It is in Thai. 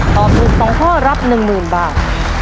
ตอบถูก๒ข้อรับ๑๐๐๐บาท